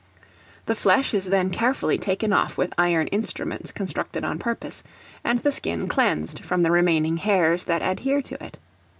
The flesh is then carefully taken off with iron instruments constructed on purpose, and the skin cleansed from the remaining hairs that adhere to it.